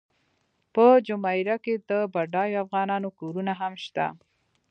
په جمیره کې د بډایو افغانانو کورونه هم شته.